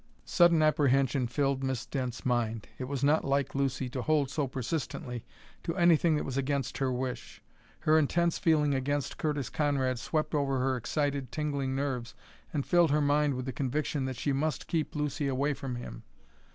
Sudden apprehension filled Miss Dent's mind. It was not like Lucy to hold so persistently to anything that was against her wish. Her intense feeling against Curtis Conrad swept over her excited, tingling nerves and filled her mind with the conviction that she must keep Lucy away from him.